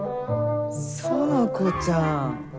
園子ちゃん。